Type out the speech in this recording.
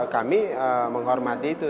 kami menghormati itu